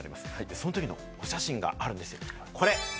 そのときのお写真があるんですが、これ。